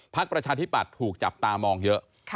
พักประชาธิบัตรถูกจับตามองเยอะ